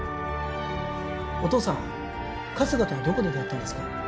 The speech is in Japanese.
お父さん春日とはどこで出会ったんですか？